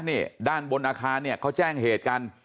นี่ด้านบนอาคารเนี่ยเขาแจ้งเหตุกัน